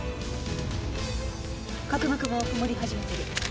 角膜も曇り始めてる。